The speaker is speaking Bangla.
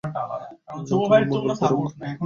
আল্লাহ্ তোমার মঙ্গল করুক।